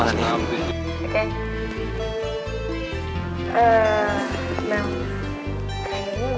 eee mel kayaknya gue mau ke lapangan nih